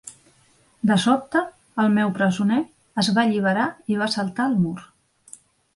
De sobte el meu presoner es va alliberar i va saltar el mur.